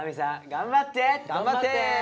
頑張って！